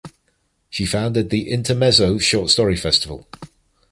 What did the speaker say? She founded the Intermezzo Short Story Festival.